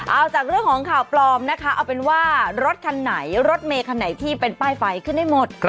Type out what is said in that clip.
เอาจากเรื่องของข่าวปลอมนะคะเอาเป็นว่ารถคันไหนรถเมคันไหนที่เป็นป้ายไฟขึ้นได้หมด